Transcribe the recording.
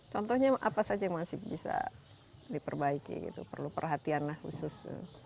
contohnya apa saja yang masih bisa diperbaiki gitu perlu perhatian lah khusus